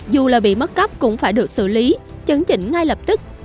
dù là bị mất cắp cũng phải được xử lý chấn chỉnh ngay lập tức